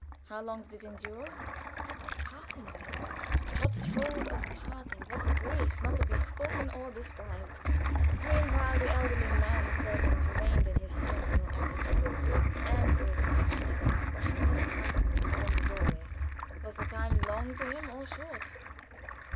How long did it endure? What was passing there? What throes of parting? What grief not to be spoken or described? Meanwhile the elderly man servant remained in his sentinel attitude, and with fixed expressionless countenance, within the door way. Was the time long to him, or short?